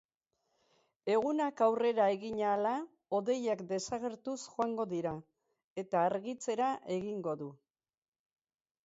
Egunak aurrera egin ahala, hodeiak desagertuz joango dira eta argitzera egingo du.